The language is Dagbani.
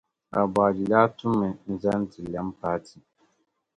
Aboagye daa tuumi n-zani ti lɛm paati.